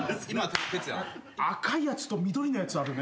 「赤いやつと緑のやつあるね」